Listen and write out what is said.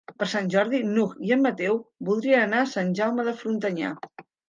Per Sant Jordi n'Hug i en Mateu voldrien anar a Sant Jaume de Frontanyà.